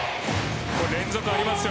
連続ありますよ。